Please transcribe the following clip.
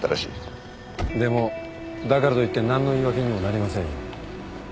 でもだからといって何の言い訳にもなりませんよ。